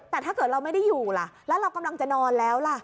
แต่ถ้าเกิดเราไม่ได้อยู่ล่ะแล้วเรากำลังจะนอนแล้วล่ะ